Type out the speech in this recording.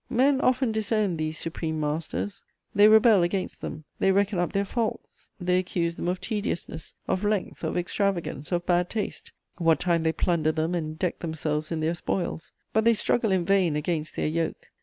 Men often disown these supreme masters; they rebel against them; they reckon up their faults: they accuse them of tediousness, of length, of extravagance, of bad taste, what time they plunder them and deck themselves in their spoils; but they struggle in vain against their yoke.